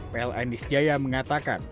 pln disjaya mengatakan